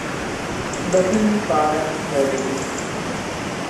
Leagadh Balla Bheirlín.